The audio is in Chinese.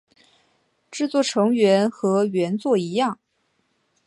制作成员和原作一样。